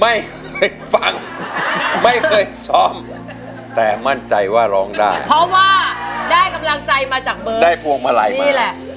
ไม่เคยฟังไม่เคยซ้อมแต่มั่นใจว่าร้องได้เพราะว่าได้กำลังใจมาจากเบอร์ได้พวงมาลัยนี่แหละ